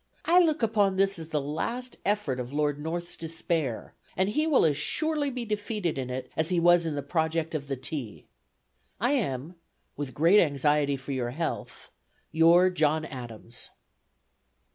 I look upon this as the last effort of Lord North's despair, and he will as surely be defeated in it, as he was in the project of the tea. "I am, with great anxiety for your health, "Your JOHN ADAMS."